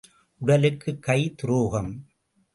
உடலுக்குக் கை துரோகம்.